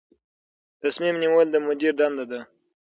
تصمیم نیول د مدیر دنده ده